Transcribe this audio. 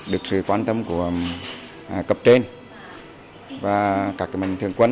được sự quan tâm của cấp trên và các mệnh thường quân